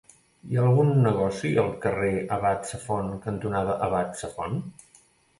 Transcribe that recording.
Hi ha algun negoci al carrer Abat Safont cantonada Abat Safont?